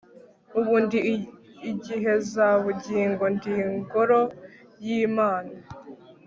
Ubu ndi igihezabugingo ndi ingoro yImana